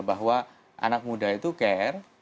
bahwa anak muda itu care